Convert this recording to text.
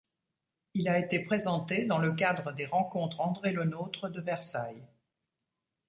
Il a été présenté dans le cadre des Rencontres André Le Nôtre de Versailles.